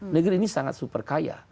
negeri ini sangat super kaya